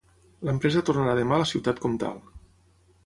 L'empresa tornarà demà a la ciutat comtal.